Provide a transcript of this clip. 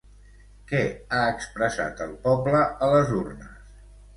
Què ha expressat el poble a les urnes?